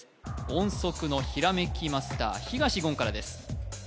音速のひらめきマスター東言からです